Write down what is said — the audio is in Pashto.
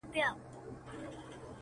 زه څوک لرمه-